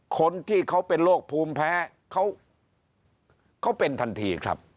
คนที่เขาเป็นโรคภูมิแพ้เขาเป็นทันทีครับ